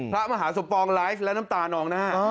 พระมหาศพรองไลฟ์แล้วน้ำตาน้องน้า